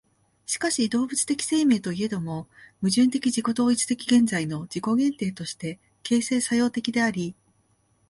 しかし動物的生命といえども、矛盾的自己同一的現在の自己限定として形成作用的であり、